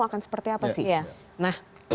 akan seperti apa sih